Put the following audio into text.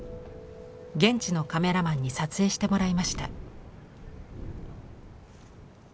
現地のカメラマンに撮影してもらいました。